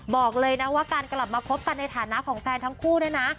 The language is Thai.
บอกเลยนะว่าการกลับมาคบกันในฐานะของแฟนทั้งคู่เนี่ยนะ